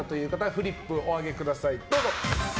フリップお上げください、どうぞ。